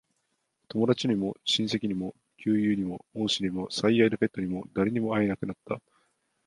友達にも、親戚にも、旧友にも、恩師にも、最愛のペットにも、誰にも会えなくなった。